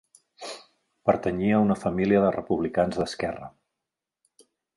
Pertanyia a una família de republicans d'esquerra.